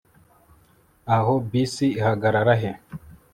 aho bisi ihagarara he